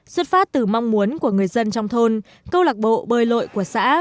xuất phát từ mong muốn của người dân trong thôn câu lạc bộ bơi lội của xã